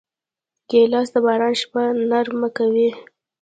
ګیلاس د باران شپه نرمه کوي.